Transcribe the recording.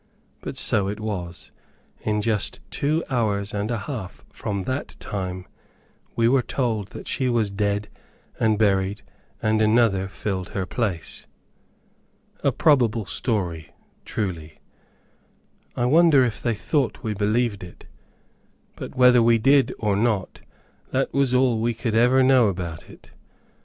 But so it was. In just two hours and a half from that time, we were told that she was dead and buried, and another filled her place! A probable story, truly! I wonder if they thought we believed it! But whether we did or not, that was all we could ever know about it.